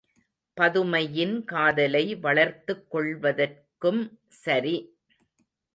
பதுமையின் காதலை வளர்த்துக் கொள்வதற்கும் சரி.